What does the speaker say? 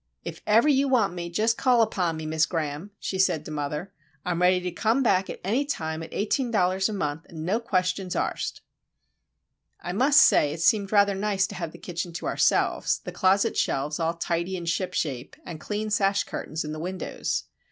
— "If ever you wan' me, jus' call upon me, Mis' Graham," she said to mother. "Ah'm ready to come back any time, at $18 a mont', and no questions arst." I must say it seemed rather nice to have the kitchen to ourselves, the closet shelves all tidy and ship shape, and clean sash curtains in the windows.